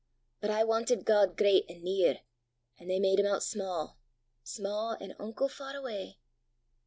but I wantit God great an' near, an' they made him oot sma' sma', an' unco far awa'.